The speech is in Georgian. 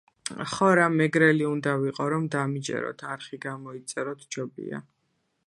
ხო რა მეგრელი უნდა ვიყო რომ დამიჯეროთ არხი გამოიწეროთ ჯობია